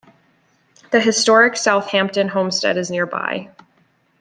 The historic Southampton homestead is nearby.